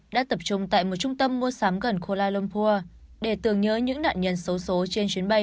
đã tập trung tại một trung tâm mua sám gần kuala lumpur để tưởng nhớ những nạn nhân xấu xố trên chuyến bay